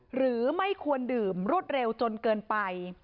หรือไม่ควรดื่มรวดเร็วจนเกินไป